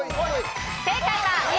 正解はＡ。